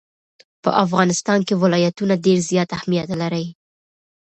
په افغانستان کې ولایتونه ډېر زیات اهمیت لري.